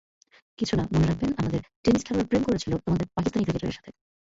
কিছু না, মনে রাখবেন আমাদের টেনিস খেলোয়াড় প্রেমে করেছিল তোমাদের পাকিস্তানি ক্রিকেটারের সাথে?